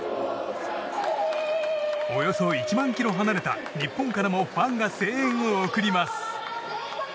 およそ１万ｋｍ離れた日本からもファンが声援を送ります。